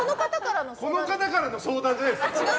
この方からの相談じゃないです。